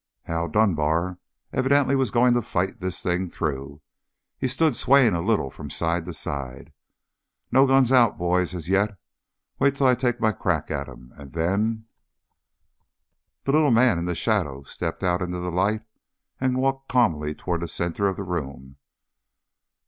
Hal Dunbar evidently was going to fight the thing through. He stood swaying a little from side to side. "No guns out, boys, as yet. Wait till I take my crack at him, and then " The little man in the shadow stepped out into the light and walked calmly toward the center of the room.